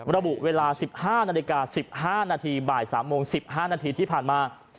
ระบุเวลาสิบห้านาฬิกาสิบห้านาทีบ่ายสามโมงสิบห้านาทีที่ผ่านมา